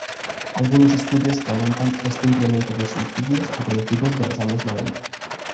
Algunos estudios remontan este incremento de suicidios a principios de los años noventa.